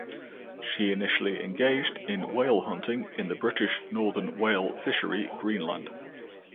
She initially engaged in whale hunting in the British Northern Whale Fishery (Greenland).